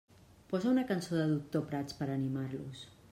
Posa una cançó de Doctor Prats per animar-los.